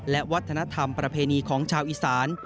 และวัฒนธรรมประเพณีของชาวอีสาน